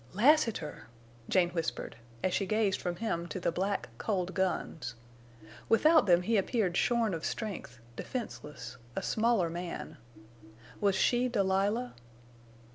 "Lassiter!" Jane whispered, as she gazed from him to the black, cold guns. Without them he appeared shorn of strength, defenseless, a smaller man. Was she Delilah?